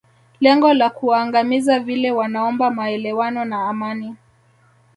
lengo la kuwaangamiza vile wanaomba maelewano na amani